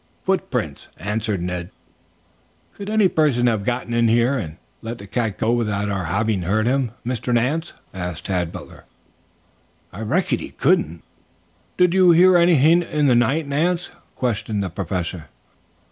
"Footprints," answered Ned. "Could any person have gotten in here and let the cat go without our having heard him, Mr. Nance?" asked Tad Butler. "I reckon he couldn't." "Did you hear anything in the night, Nance?" questioned the Professor.